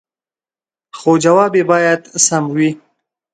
خو جواب يې باید سم وي